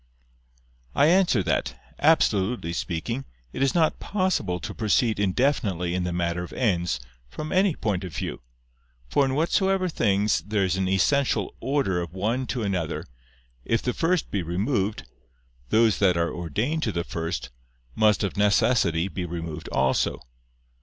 I answer that, Absolutely speaking, it is not possible to proceed indefinitely in the matter of ends, from any point of view. For in whatsoever things there is an essential order of one to another, if the first be removed, those that are ordained to the first, must of necessity be removed also.